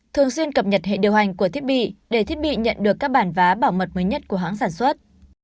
thường xuyên cập nhật hệ điều hành của thiết bị để thiết bị nhận được các bản vá bảo mật mới nhất của hãng sản xuất